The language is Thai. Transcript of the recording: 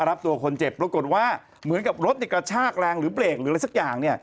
รับตัวคนเจ็บปรากฏว่าเหมือนกับรถกระชากแรงหรือเบรกหรืออะไรสักอย่าง